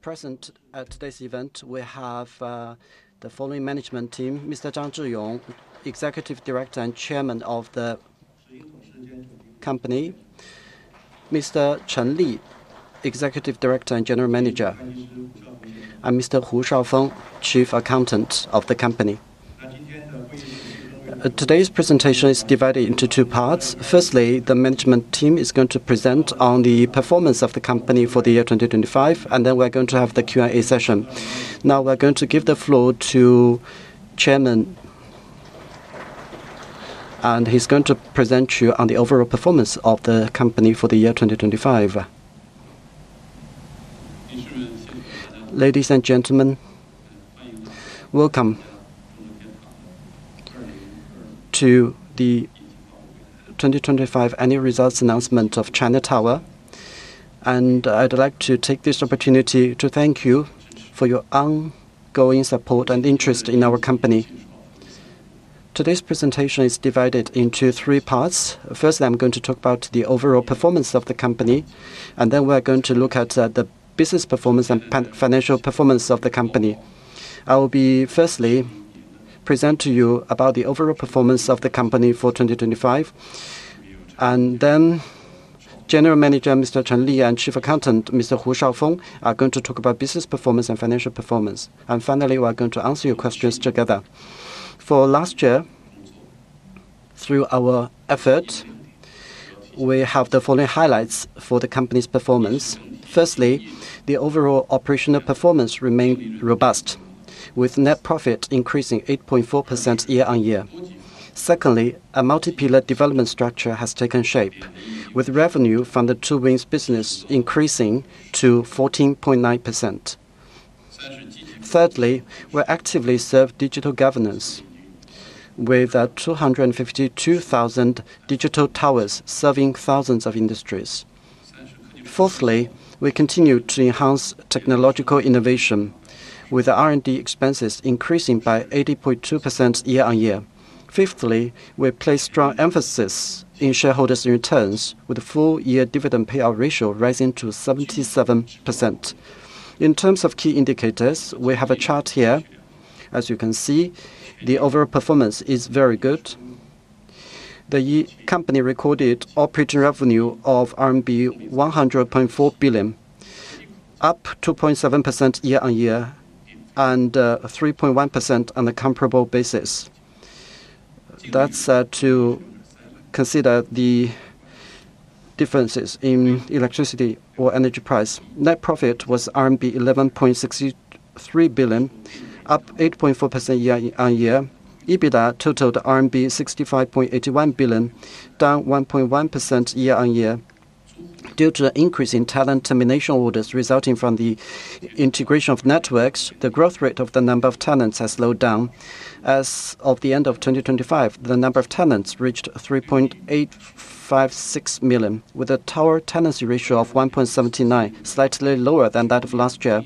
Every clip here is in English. Present at today's event, we have the following management team. Mr. Zhang Zhiyong, Executive Director and Chairman of the company. Mr. Chen Li, Executive Director and General Manager. Mr. Hu Shaofeng, Chief Accountant of the company. Today's presentation is divided into two parts. Firstly, the management team is going to present on the performance of the company for the year 2025, and then we're going to have the Q&A session. Now, we're going to give the floor to the Chairman. He's going to present on the overall performance of the company for the year 2025. Ladies and gentlemen, welcome to the 2025 annual results announcement of China Tower. I'd like to take this opportunity to thank you for your ongoing support and interest in our company. Today's presentation is divided into three parts. Firstly, I'm going to talk about the overall performance of the company, and then we're going to look at the business performance and financial performance of the company. I will be firstly present to you about the overall performance of the company for 2025, and then General Manager Mr. Chen Li and Chief Accountant Mr. Hu Shaofeng are going to talk about business performance and financial performance. Finally, we are going to answer your questions together. For last year, through our effort, we have the following highlights for the company's performance. Firstly, the overall operational performance remained robust, with net profit increasing 8.4% year-on-year. Secondly, a multi-pillar development structure has taken shape, with revenue from the Two Wings business increasing to 14.9%. Thirdly, we actively serve digital governance with 252,000 digital towers serving thousands of industries. Fourthly, we continue to enhance technological innovation with our R&D expenses increasing by 80.2% year-on-year. Fifthly, we place strong emphasis in shareholders' returns with the full year dividend payout ratio rising to 77%. In terms of key indicators, we have a chart here. As you can see, the overall performance is very good. China Tower recorded operating revenue of RMB 100.4 billion, up 2.7% year-on-year, and 3.1% on a comparable basis. That's to consider the differences in electricity or energy price. Net profit was RMB 11.63 billion, up 8.4% year-on-year. EBITDA totaled RMB 65.81 billion, down 1.1% year-on-year. Due to an increase in tenant termination orders resulting from the integration of networks, the growth rate of the number of tenants has slowed down. As of the end of 2025, the number of tenants reached 3.856 million, with a tower tenancy ratio of 1.79, slightly lower than that of last year.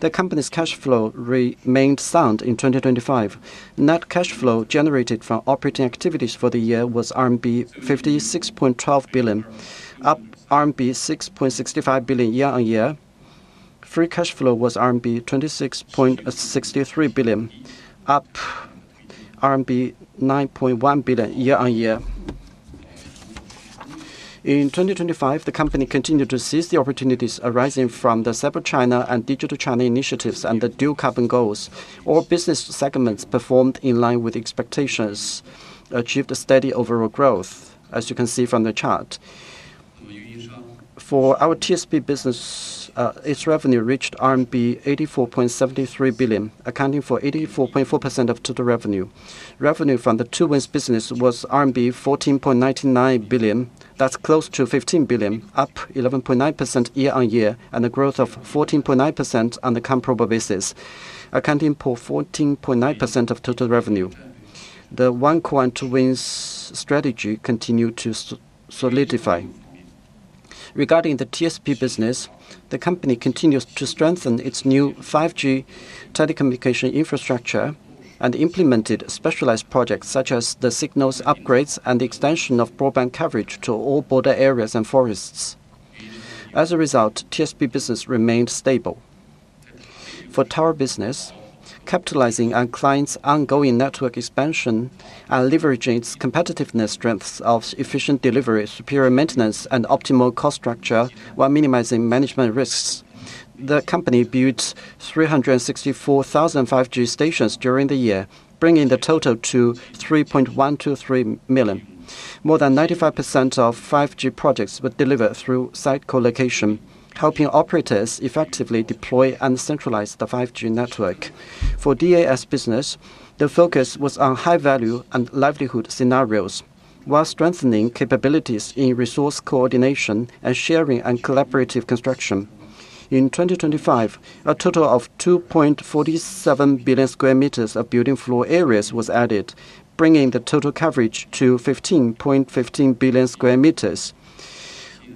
The company's cash flow remained sound in 2025. Net cash flow generated from operating activities for the year was RMB 56.12 billion, up RMB 6.65 billion year-on-year. Free cash flow was RMB 26.63 billion, up RMB 9.1 billion year-on-year. In 2025, the company continued to seize the opportunities arising from the Cyber China and Digital China initiatives and the dual carbon goals. All business segments performed in line with expectations, achieved a steady overall growth, as you can see from the chart. For our TSP business, its revenue reached RMB 84.73 billion, accounting for 84.4% of total revenue. Revenue from the Two Wings business was RMB 14.99 billion. That's close to 15 billion, up 11.9% year on year, and a growth of 14.9% on the comparable basis. Accounting for 14.9% of total revenue. The One Core Two Wings strategy continued to solidify. Regarding the TSP business, the company continues to strengthen its new 5G telecommunication infrastructure and implemented specialized projects such as the signal upgrades and the extension of broadband coverage to all border areas and forests. As a result, TSP business remained stable. For tower business, capitalizing on clients' ongoing network expansion and leveraging its competitive strengths of efficient delivery, superior maintenance, and optimal cost structure while minimizing management risks. The company built 364,000 5G stations during the year, bringing the total to 3.123 million. More than 95% of 5G projects were delivered through site co-location, helping operators effectively deploy and accelerate the 5G network. For DAS business, the focus was on high-value and livelihood scenarios, while strengthening capabilities in resource coordination and sharing, and collaborative construction. In 2025, a total of 2.47 billion square meters of building floor areas was added, bringing the total coverage to 15.15 billion square meters.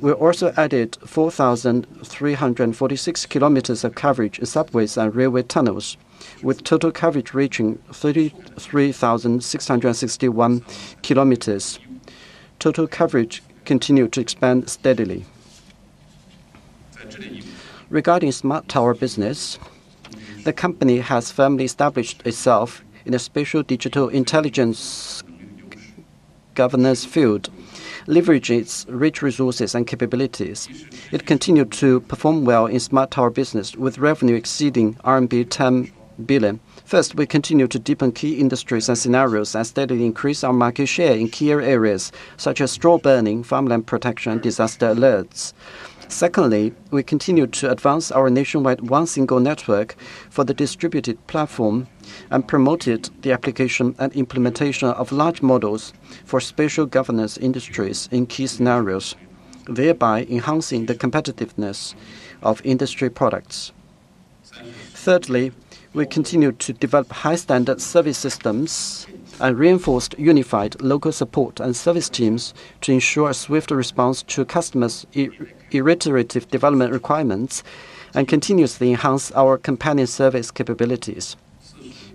We also added 4,346 kilometers of coverage in subways and railway tunnels, with total coverage reaching 33,661 kilometers. Total coverage continued to expand steadily. Regarding Smart Tower business, the company has firmly established itself in a special digital intelligence spatial governance field, leveraging its rich resources and capabilities. It continued to perform well in Smart Tower business with revenue exceeding RMB 10 billion. First, we continue to deepen key industries and scenarios and steadily increase our market share in key areas such as straw burning, farmland protection, disaster alerts. Secondly, we continued to advance our nationwide one single network for the distributed platform and promoted the application and implementation of large models for spatial governance industries in key scenarios, thereby enhancing the competitiveness of industry products. Thirdly, we continued to develop high-standard service systems and reinforced unified local support and service teams to ensure a swifter response to customers' iterative development requirements and continuously enhance our companion service capabilities.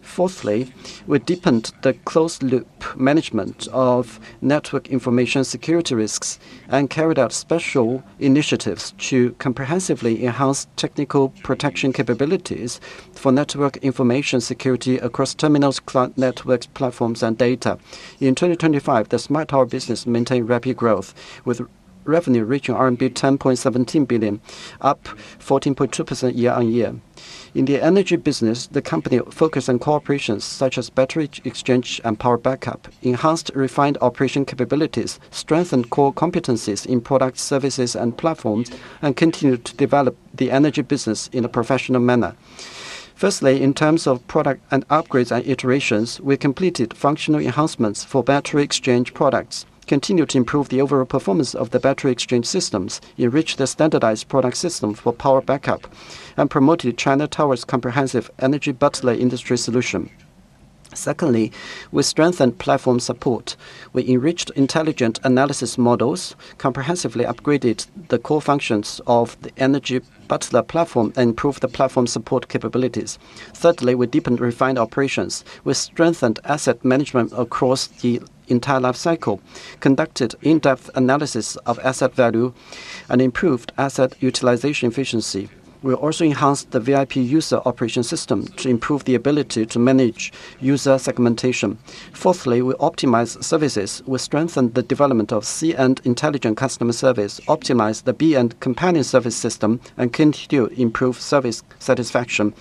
Fourthly, we deepened the closed-loop management of network information security risks and carried out special initiatives to comprehensively enhance technical protection capabilities for network information security across terminals, client networks, platforms and data. In 2025, the Smart Tower business maintained rapid growth with revenue reaching RMB 10.17 billion, up 14.2% year-on-year. In the Energy business, the company focused on corporations such as battery exchange and power backup, enhanced refined operation capabilities, strengthened core competencies in product services and platforms, and continued to develop the Energy business in a professional manner. Firstly, in terms of product and upgrades and iterations, we completed functional enhancements for battery exchange products, continued to improve the overall performance of the battery exchange systems, enrich the standardized product system for power backup, and promoted China Tower's comprehensive Energy Butler industry solution. Secondly, we strengthened platform support. We enriched intelligent analysis models, comprehensively upgraded the core functions of the Energy Butler platform, and improved the platform support capabilities. Thirdly, we deepened refined operations. We strengthened asset management across the entire life cycle, conducted in-depth analysis of asset value, and improved asset utilization efficiency. We also enhanced the VIP user operation system to improve the ability to manage user segmentation. Fourthly, we optimized services. We strengthened the development of C-end intelligent customer service, optimized the B-end companion service system, and continued to improve service satisfaction.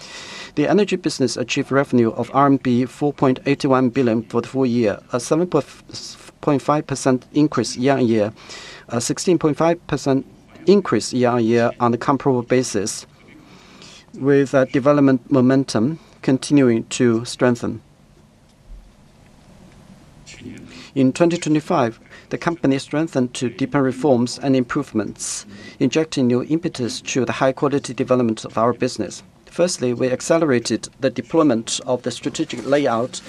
The energy business achieved revenue of RMB 4.81 billion for the full year, a 7.5% increase year-on-year, a 16.5% increase year-on-year on a comparable basis, with development momentum continuing to strengthen. In 2025, the company strengthened to deepen reforms and improvements, injecting new impetus to the high-quality development of our business. Firstly, we accelerated the deployment of the strategic layout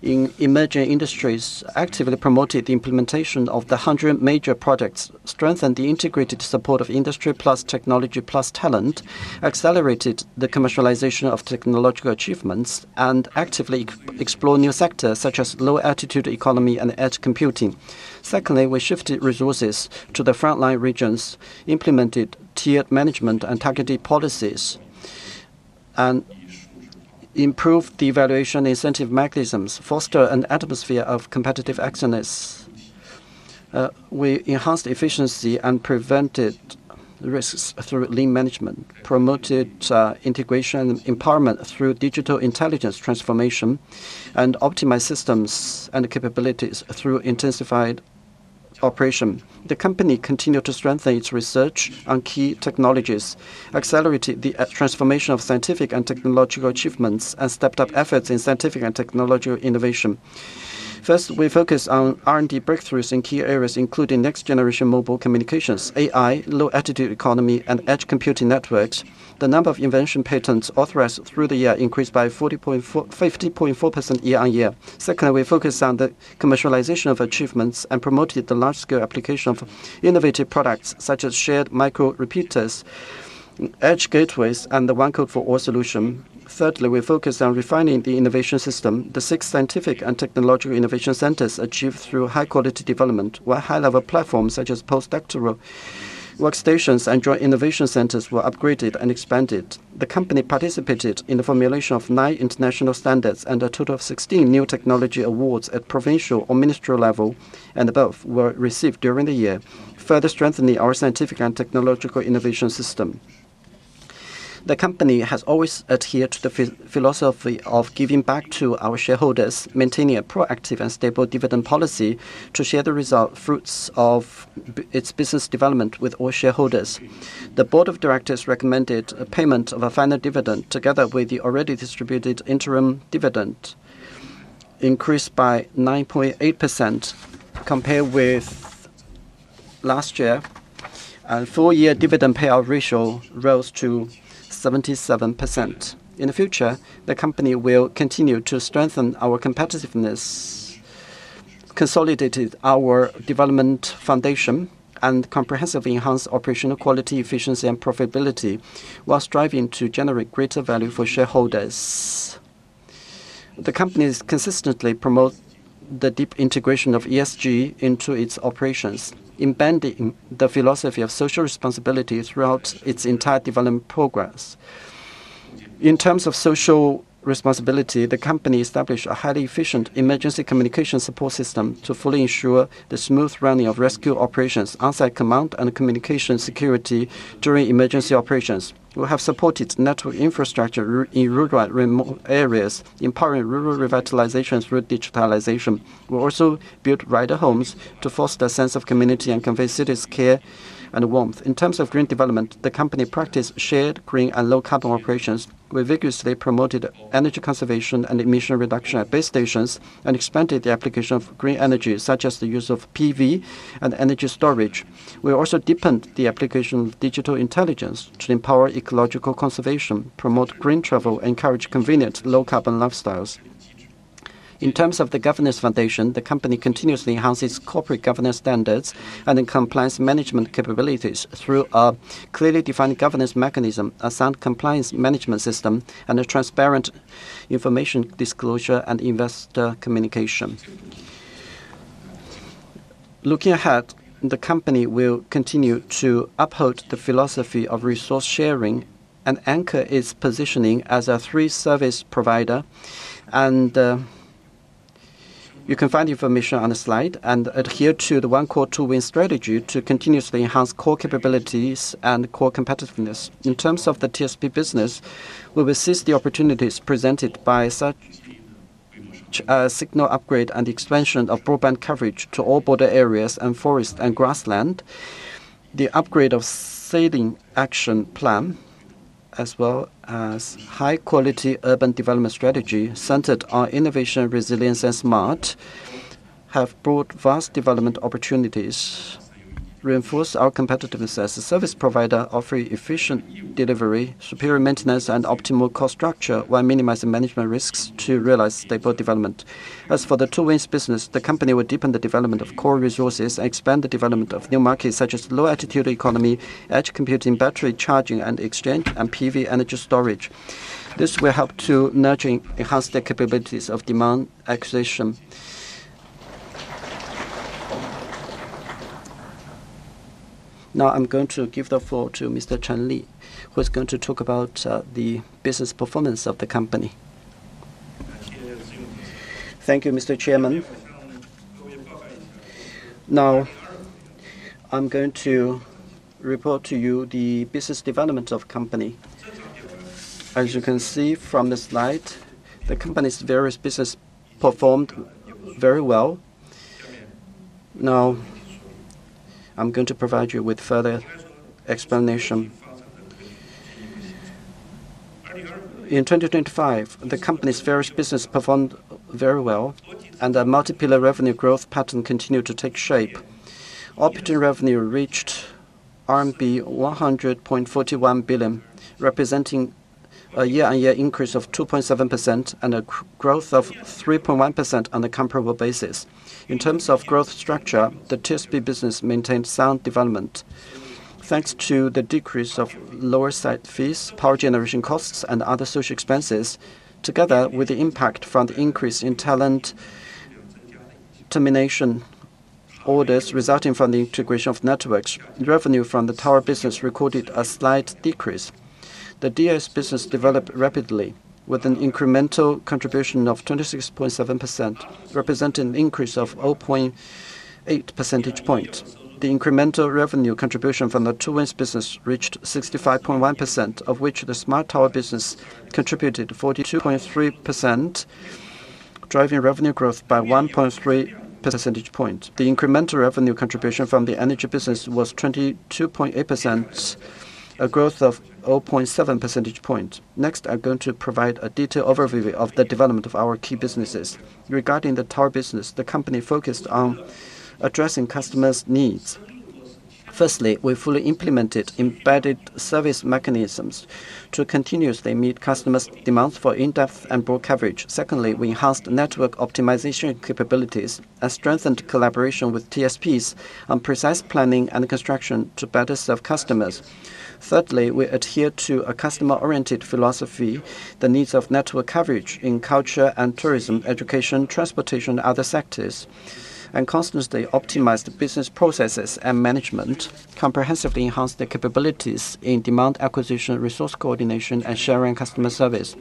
in emerging industries, actively promoted the implementation of the hundred major products, strengthened the integrated support of industry plus technology plus talent, accelerated the commercialization of technological achievements, and actively explore new sectors such as low-altitude economy and edge computing. Secondly, we shifted resources to the front-line regions, implemented tiered management and targeted policies, and improved the evaluation incentive mechanisms, foster an atmosphere of competitive excellence. We enhanced efficiency and prevented risks through lean management, promoted integration empowerment through digital intelligence transformation, and optimized systems and capabilities through intensified operation. The company continued to strengthen its research on key technologies, accelerated the transformation of scientific and technological achievements, and stepped up efforts in scientific and technological innovation. First, we focused on R&D breakthroughs in key areas including next-generation mobile communications, AI, low-altitude economy, and edge computing networks. The number of invention patents authorized through the year increased by 50.4% year-on-year. Secondly, we focused on the commercialization of achievements and promoted the large-scale application of innovative products such as shared micro repeaters, edge gateways, and the One Code for All solution. Thirdly, we focused on refining the innovation system. The six scientific and technological innovation centers achieved through high-quality development, where high-level platforms such as postdoctoral workstations and joint innovation centers were upgraded and expanded. The company participated in the formulation of nine international standards and a total of 16 new technology awards at provincial or ministry level and above were received during the year. Further strengthening our scientific and technological innovation system. The company has always adhered to the philosophy of giving back to our shareholders, maintaining a proactive and stable dividend policy to share the fruits of its business development with all shareholders. The board of directors recommended a payment of a final dividend together with the already distributed interim dividend increased by 9.8% compared with last year, and full year dividend payout ratio rose to 77%. In the future, the company will continue to strengthen our competitiveness, consolidated our development foundation, and comprehensively enhance operational quality, efficiency and profitability, while striving to generate greater value for shareholders. The company is consistently promote the deep integration of ESG into its operations, embedding the philosophy of social responsibility throughout its entire development programs. In terms of social responsibility, the company established a highly efficient emergency communication support system to fully ensure the smooth running of rescue operations, on-site command, and communication security during emergency operations. We have supported network infrastructure in rural and remote areas, empowering Rural Revitalization through digitalization. We also built rider homes to foster a sense of community and convey city's care and warmth. In terms of green development, the company practice shared green and low-carbon operations. We vigorously promoted energy conservation and emission reduction at base stations and expanded the application of green energy, such as the use of PV and energy storage. We also deepened the application of digital intelligence to empower ecological conservation, promote green travel, encourage convenient low-carbon lifestyles. In terms of the governance foundation, the company continuously enhances corporate governance standards and improves compliance management capabilities through a clearly defined governance mechanism, a sound compliance management system, and a transparent information disclosure and investor communication. Looking ahead, the company will continue to uphold the philosophy of resource sharing and anchor its positioning as a three-service provider. You can find information on the slide and adhere to the One Core Two Wings strategy to continuously enhance core capabilities and core competitiveness. In terms of the TSP business, we will seize the opportunities presented by such as signal upgrade and expansion of broadband coverage to all border areas and forest and grassland. The upgrade of 5G action plan as well as high-quality urban development strategy centered on innovation, resilience, and smart have brought vast development opportunities, reinforce our competitiveness as a service provider, offering efficient delivery, superior maintenance, and optimal cost structure, while minimizing management risks to realize stable development. As for the Two Wings business, the company will deepen the development of core resources and expand the development of new markets such as low-altitude economy, edge computing, battery charging and exchange, and PV energy storage. This will help to nurturing enhanced capabilities of demand acquisition. Now I'm going to give the floor to Mr. Chen Li, who is going to talk about the business performance of the company. Thank you, Mr. Chairman. Now, I'm going to report to you the business development of Company. As you can see from the slide, the Company's various business performed very well. Now, I'm going to provide you with further explanation. In 2025, the Company's various business performed very well, and a multi-pillar revenue growth pattern continued to take shape. Operating revenue reached RMB 100.41 billion, representing a year-on-year increase of 2.7% and a growth of 3.1% on a comparable basis. In terms of growth structure, the TSP business maintained sound development. Thanks to the decrease of lower site fees, power generation costs, and other social expenses, together with the impact from the increase in tenant termination orders resulting from the integration of networks, revenue from the tower business recorded a slight decrease. The DAS business developed rapidly with an incremental contribution of 26.7%, representing an increase of 0.8 percentage point. The incremental revenue contribution from the Two Wings business reached 65.1%, of which the Smart Tower business contributed 42.3%, driving revenue growth by 1.3 percentage point. The incremental revenue contribution from the Energy business was 22.8%, a growth of 0.7 percentage point. Next, I'm going to provide a detailed overview of the development of our key businesses. Regarding the tower business, the company focused on addressing customers' needs. Firstly, we fully implemented embedded service mechanisms to continuously meet customers' demands for in-depth and broad coverage. Secondly, we enhanced network optimization capabilities and strengthened collaboration with TSPs on precise planning and construction to better serve customers. Thirdly, we adhere to a customer-oriented philosophy, the needs of network coverage in culture and tourism, education, transportation, other sectors, and constantly optimize the business processes and management, comprehensively enhance the capabilities in demand acquisition, resource coordination, and sharing customer service.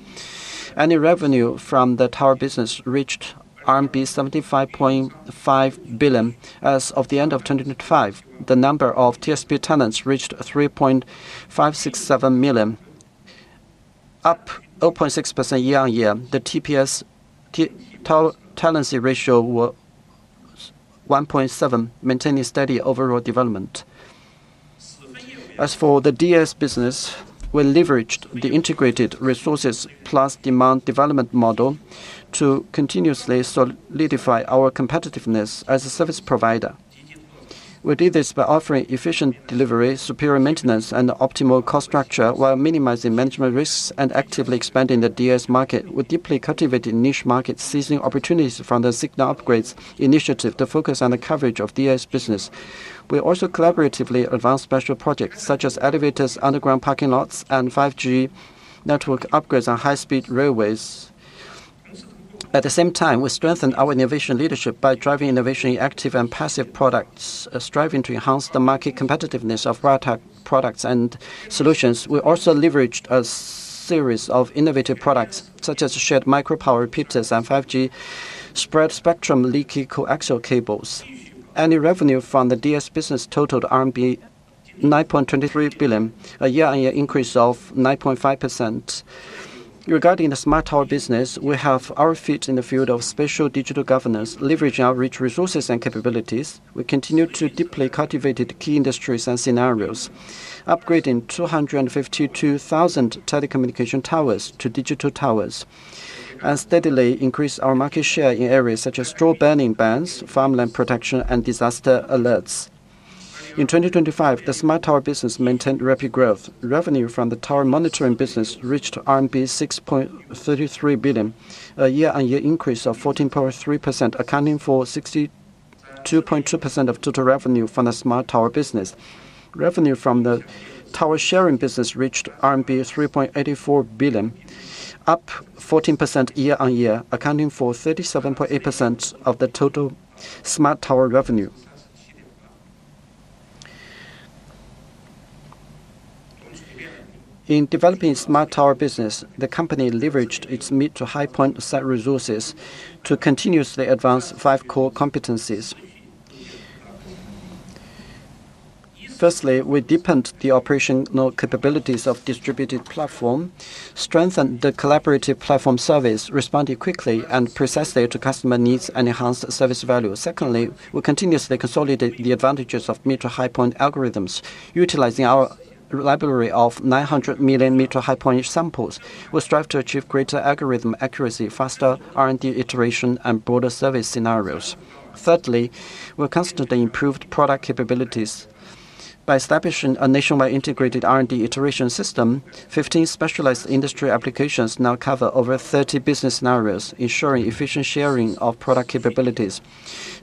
Annual revenue from the tower business reached RMB 75.5 billion as of the end of 2025. The number of TSP tenants reached 3.567 million, up 0.6% year-over-year. The TSP tenancy ratio was 1.7, maintaining steady overall development. As for the DAS business, we leveraged the integrated resources plus demand development model to continuously solidify our competitiveness as a service provider. We did this by offering efficient delivery, superior maintenance, and optimal cost structure while minimizing management risks and actively expanding the DAS market. We're deeply cultivating niche markets, seizing opportunities from the signal upgrades initiative to focus on the coverage of DAS business. We also collaboratively advanced special projects such as elevators, underground parking lots, and 5G network upgrades on high-speed railways. At the same time, we strengthened our innovation leadership by driving innovation in active and passive products. Striving to enhance the market competitiveness of RuiTech products and solutions. We also leveraged a series of innovative products such as shared micro repeaters and 5G spread spectrum leaky coaxial cables. Annual revenue from the DAS business totaled RMB 9.23 billion, a year-on-year increase of 9.5%. Regarding the Smart Tower business, we have our feet in the field of special digital governance, leveraging our rich resources and capabilities. We continue to deeply cultivate key industries and scenarios, upgrading 252,000 telecommunication towers to digital towers, and steadily increase our market share in areas such as straw burning bans, farmland protection, and disaster alerts. In 2025, the Smart Tower business maintained rapid growth. Revenue from the tower monitoring business reached RMB 6.33 billion, a year-over-year increase of 14.3%, accounting for 62.2% of total revenue from the Smart Tower business. Revenue from the tower sharing business reached RMB 3.84 billion, up 14% year-over-year, accounting for 37.8% of the total Smart Tower revenue. In developing Smart Tower business, the company leveraged its mid-to-high point site resources to continuously advance five core competencies. Firstly, we deepened the operational capabilities of distributed platform, strengthened the collaborative platform service, responded quickly and precisely to customer needs, and enhanced service value. Secondly, we continuously consolidate the advantages of mid-to-high-end algorithms. Utilizing our library of 900 million mid-to-high-end samples, we strive to achieve greater algorithm accuracy, faster R&D iteration, and broader service scenarios. Thirdly, we constantly improved product capabilities by establishing a nationwide integrated R&D iteration system. 15 specialized industry applications now cover over 30 business scenarios, ensuring efficient sharing of product capabilities.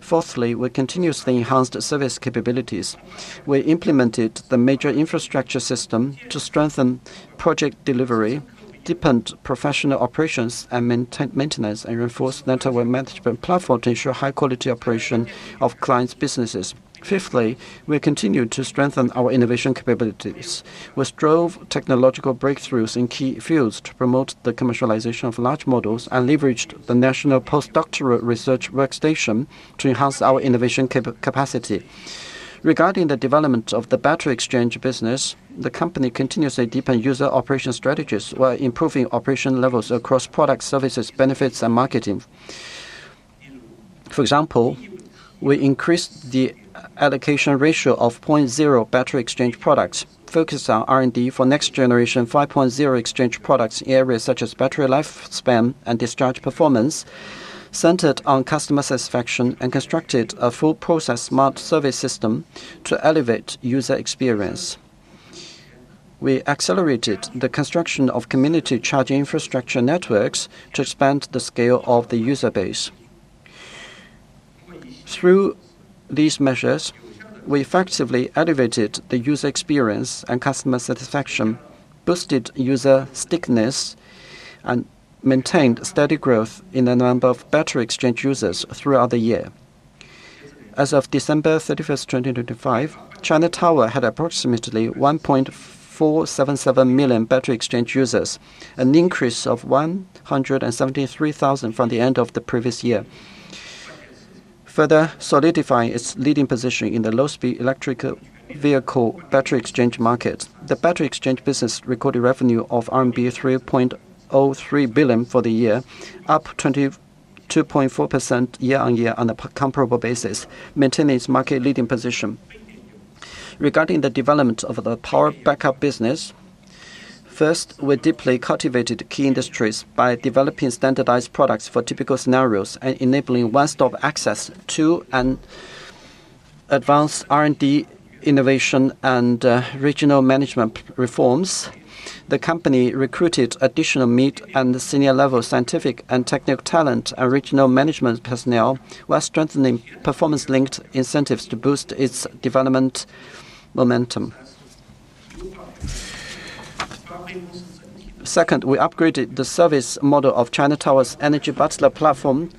Fourthly, we continuously enhanced service capabilities. We implemented the major infrastructure system to strengthen project delivery, deepened professional operations and maintenance, and reinforced network management platform to ensure high-quality operation of clients' businesses. Fifthly, we continued to strengthen our innovation capabilities. We drove technological breakthroughs in key fields to promote the commercialization of large models and leveraged the National Postdoctoral Research Workstation to enhance our innovation capacity. Regarding the development of the battery exchange business, the company continuously deepened user operation strategies while improving operation levels across products, services, benefits, and marketing. For example, we increased the allocation ratio of 4.0 battery exchange products, focused on R&D for next-generation 5.0 exchange products in areas such as battery life span and discharge performance, centered on customer satisfaction, and constructed a full-process smart service system to elevate user experience. We accelerated the construction of community charging infrastructure networks to expand the scale of the user base. Through these measures, we effectively elevated the user experience and customer satisfaction, boosted user stickiness, and maintained steady growth in the number of battery exchange users throughout the year. As of December 31, 2025, China Tower had approximately 1.477 million battery exchange users, an increase of 173,000 from the end of the previous year, further solidifying its leading position in the low-speed electric vehicle battery exchange market. The battery exchange business recorded revenue of RMB 3.03 billion for the year, up 22.4% year-on-year on a comparable basis, maintaining its market-leading position. Regarding the development of the power backup business, first, we deeply cultivated key industries by developing standardized products for typical scenarios and enabling one-stop access to and advance R&D innovation and regional management reforms. The company recruited additional mid- and senior-level scientific and technical talent and regional management personnel while strengthening performance-linked incentives to boost its development momentum. Second, we upgraded the service model of China Tower's Energy Butler platform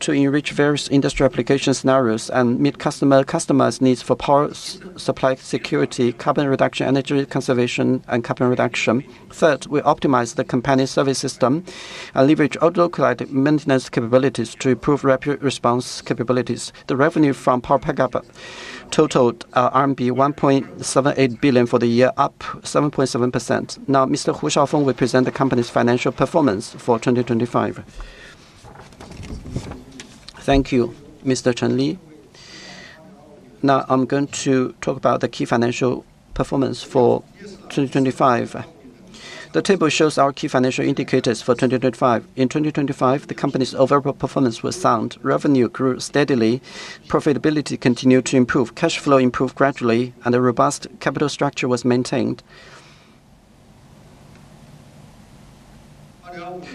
to enrich various industry application scenarios and meet customer's needs for power supply security, carbon reduction, energy conservation, and carbon reduction. Third, we optimized the companion service system and leveraged localized maintenance capabilities to improve rapid response capabilities. The revenue from power backup totaled RMB 1.78 billion for the year, up 7.7%. Now Mr. Hu Shaofeng will present the company's financial performance for 2025. Thank you, Mr. Chen Li. Now I'm going to talk about the key financial performance for 2025. The table shows our key financial indicators for 2025. In 2025, the company's overall performance was sound. Revenue grew steadily, profitability continued to improve, cash flow improved gradually, and a robust capital structure was maintained.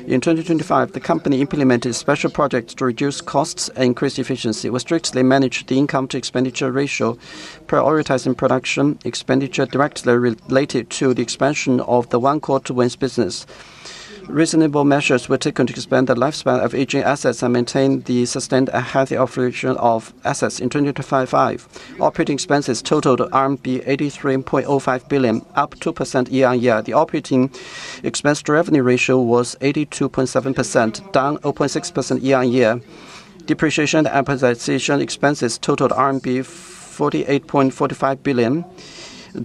In 2025, the company implemented special projects to reduce costs and increase efficiency. We strictly managed the income-to-expenditure ratio, prioritizing production expenditure directly related to the expansion of the One Core Two Wings business. Reasonable measures were taken to extend the lifespan of aging assets and maintain the sustained and healthy operation of assets. In 2025, operating expenses totaled RMB 83.05 billion, up 2% year on year. The operating expense to revenue ratio was 82.7%, down 0.6% year on year. Depreciation and amortization expenses totaled RMB 48.45 billion,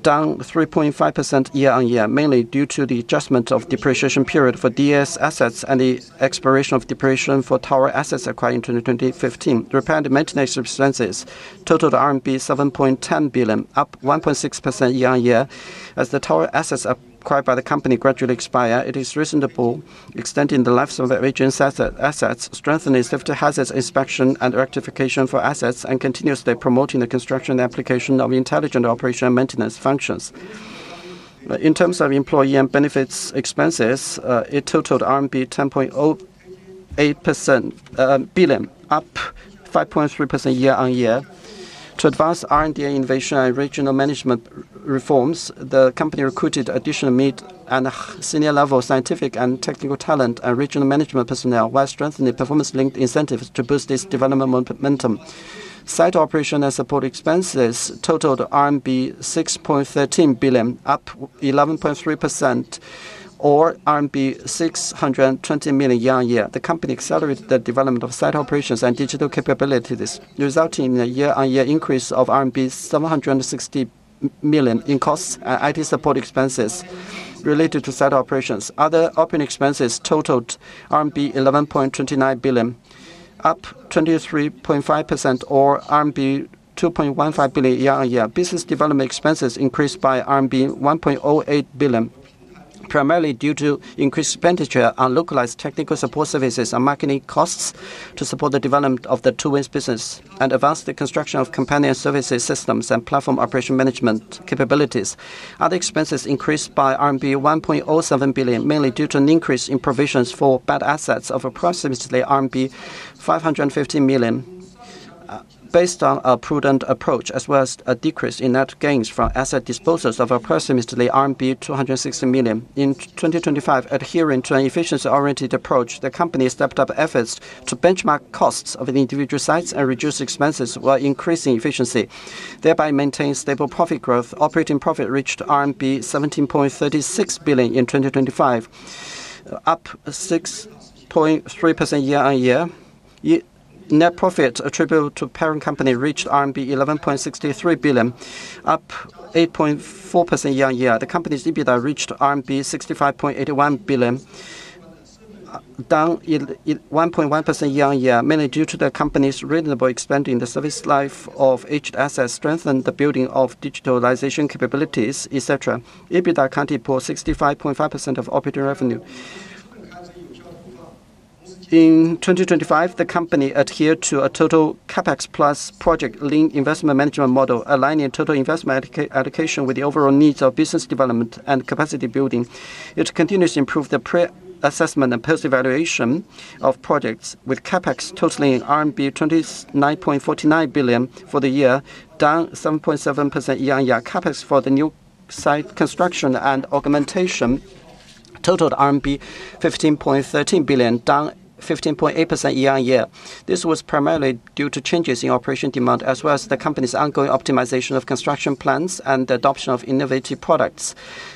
down 3.5% year on year, mainly due to the adjustment of depreciation period for DAS assets and the expiration of depreciation for tower assets acquired in 2015. Repair and maintenance expenses totaled RMB 7.10 billion, up 1.6% year on year. As the tower assets acquired by the company gradually expire, it is reasonable to extend the life of the region's assets, strengthening safety hazards inspection and rectification for assets, and continuously promoting the construction application of intelligent operation and maintenance functions. In terms of employee and benefits expenses, it totaled RMB 10.08 billion, up 5.3% year-on-year. To advance R&D innovation and regional management reforms, the company recruited additional mid- and senior-level scientific and technical talent and regional management personnel while strengthening performance-linked incentives to boost this development momentum. Site operation and support expenses totaled RMB 6.13 billion, up 11.3% or RMB 620 million year-on-year. The company accelerated the development of site operations and digital capabilities, resulting in a year-on-year increase of RMB 760 million in costs and IT support expenses related to site operations. Other operating expenses totaled RMB 11.29 billion, up 23.5% or RMB 2.15 billion year-on-year. Business development expenses increased by RMB 1.08 billion, primarily due to increased expenditure on localized technical support services and marketing costs to support the development of the Two Wings business and advance the construction of companion services systems and platform operation management capabilities. Other expenses increased by RMB 1.07 billion, mainly due to an increase in provisions for bad assets of approximately RMB 550 million, based on a prudent approach, as well as a decrease in net gains from asset disposals of approximately RMB 260 million. In 2025, adhering to an efficiency-oriented approach, the company stepped up efforts to benchmark costs of the individual sites and reduce expenses while increasing efficiency, thereby maintain stable profit growth. Operating profit reached RMB 17.36 billion in 2025, up 6.3% year-over-year. Net profit attributable to parent company reached RMB 11.63 billion, up 8.4% year-over-year. The company's EBITDA reached RMB 65.81 billion, down 1.1% year-on-year, mainly due to the company's reasonably expanding the service life of aged assets, strengthening the building of digitalization capabilities, etc. EBITDA accounted for 65.5% of operating revenue. In 2025, the company adhered to a total CapEx plus project lean investment management model, aligning total investment allocation with the overall needs of business development and capacity building. It continues to improve the pre-assessment and post-evaluation of projects, with CapEx totaling RMB 29.49 billion for the year, down 7.7% year-on-year. CapEx for the new site construction and augmentation totaled RMB 15.13 billion, down 15.8% year-on-year. This was primarily due to changes in operation demand, as well as the company's ongoing optimization of construction plans and the adoption of innovative products.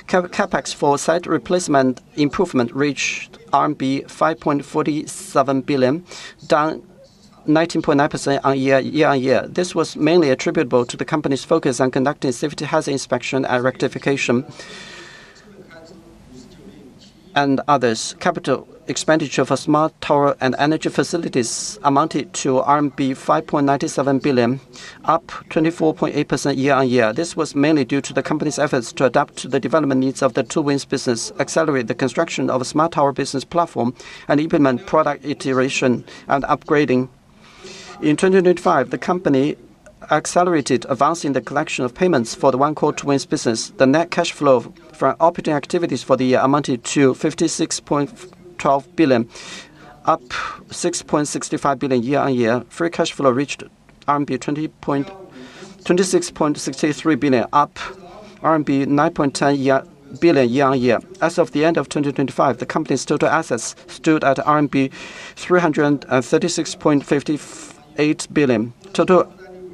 CapEx for site replacement improvement reached RMB 5.47 billion, down 19.9% year on year. This was mainly attributable to the company's focus on conducting safety hazard inspection and rectification and others. Capital expenditure for smart tower and energy facilities amounted to RMB 5.97 billion, up 24.8% year on year. This was mainly due to the company's efforts to adapt to the development needs of the Two Wings business, accelerate the construction of a smart tower business platform, and implement product iteration and upgrading. In 2025, the company accelerated advancing the collection of payments for the One Core Two Wings business. The net cash flow from operating activities for the year amounted to 56.12 billion, up 6.65 billion year on year. Free cash flow reached RMB 26.63 billion, up RMB 9.10 billion year on year. As of the end of 2025, the company's total assets stood at RMB 336.58 billion. Total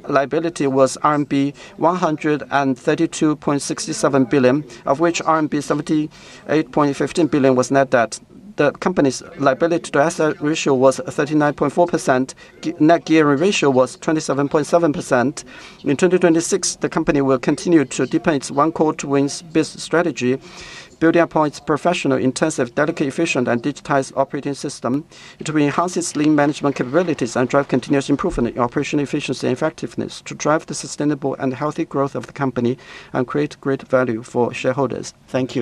liability was RMB 132.67 billion, of which RMB 78.15 billion was net debt. The company's liability to asset ratio was 39.4%. Net gearing ratio was 27.7%. In 2026, the company will continue to deepen its One Core Two Wings business strategy, building upon its professional, intensive, dedicated, efficient, and digitized operating system to enhance its lean management capabilities and drive continuous improvement in operation efficiency and effectiveness to drive the sustainable and healthy growth of the company and create great value for shareholders. Thank you.